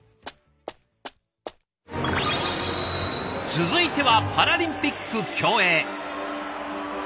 続いてはパラリンピック競泳。